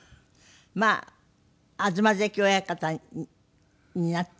まあ東関親方になって。